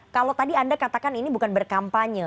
kalau tadi anda katakan ini bukan berkampanye